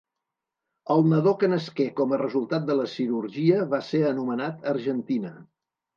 El nadó que nasqué com a resultat de la cirurgia va ser anomenat Argentina.